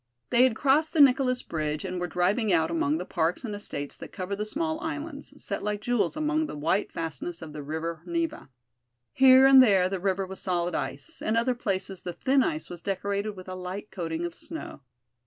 They had crossed the Nicholas bridge and were driving out among the parks and estates that cover the small islands, set like jewels among the white fastness of the river Neva. Here and there the river was solid ice, in other places the thin ice was decorated with a light coating of snow.